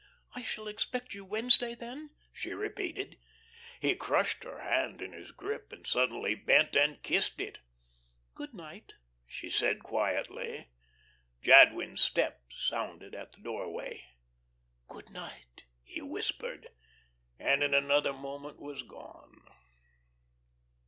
"I shall expect you Wednesday then?" she repeated. He crushed her hand in his grip, and suddenly bent and kissed it. "Good night," she said, quietly. Jadwin's step sounded at the doorway. "Good night," he whispered, and in another moment was gone.